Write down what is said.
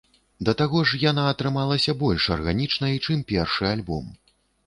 Да таго ж, яна атрымалася больш арганічнай, чым першы альбом.